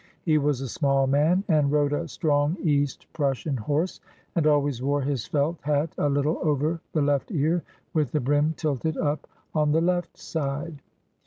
He was a small man and rode a strong East Prussian horse, and always wore his felt hat a little over the left ear with the brim tilted up on the left side.